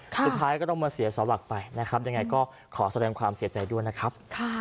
สุดท้ายก็ต้องมาเสียเสาหลักไปนะครับยังไงก็ขอแสดงความเสียใจด้วยนะครับ